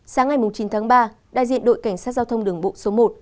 sáng ngày chín tháng ba đại diện đội cảnh sát giao thông đường bộ số một